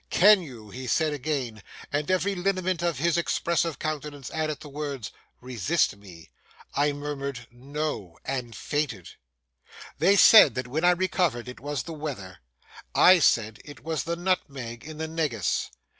'Can you?' he said again; and every lineament of his expressive countenance added the words 'resist me?' I murmured 'No,' and fainted. They said, when I recovered, it was the weather. I said it was the nutmeg in the negus.